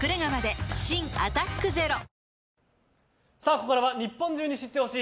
ここからは日本中に知ってほしい！